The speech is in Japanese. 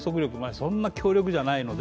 そんな強力じゃないので。